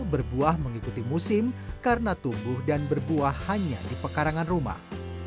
berbuah mengikuti musim karena tumbuh dan berbuah hanya di pekarangan rumah